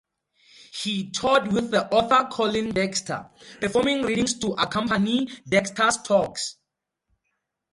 He toured with the author Colin Dexter, performing readings to accompany Dexter's talks.